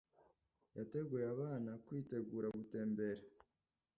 Yateguye abana kwitegura gutembera.